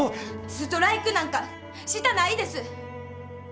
ストライクなんかしたないです。